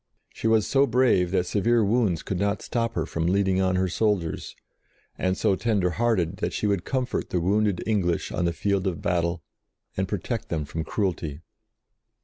She was so brave that severe wounds could not stop her from leading on her soldiers, and so tender hearted that she would com fort the wounded English on the field of battle, and protect them from cruelty.